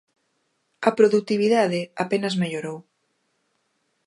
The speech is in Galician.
A produtividade apenas mellorou.